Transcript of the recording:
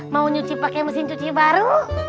mau nyuci pakai mesin cuci baru